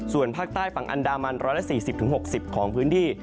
ส่วนภาคใต้ฝั่งอันดามัน๑๔๐๖๐ของพื้นที่